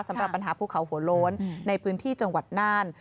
สำหรับปัญหาภูเขาหัวโล้นในพื้นที่จังหวัดน่าน